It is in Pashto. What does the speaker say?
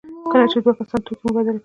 کله چې دوه کسان توکي مبادله کوي.